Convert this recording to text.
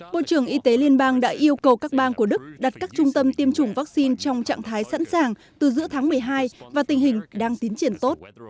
bộ trưởng y tế liên bang đã yêu cầu các bang của đức đặt các trung tâm tiêm chủng vaccine trong trạng thái sẵn sàng từ giữa tháng một mươi hai và tình hình đang tiến triển tốt